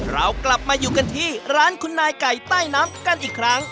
เรากลับมาอยู่กันที่ร้านคุณนายไก่ใต้น้ำกันอีกครั้ง